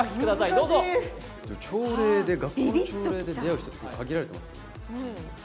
どうぞ朝礼で学校の朝礼で出会う人って限られてますよね